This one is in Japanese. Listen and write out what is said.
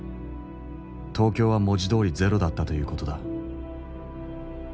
東京は文字どおりゼロだったという事だ。